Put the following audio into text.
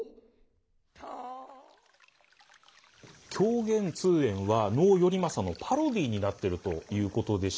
狂言「通圓」は能「頼政」のパロディーになってるということでした。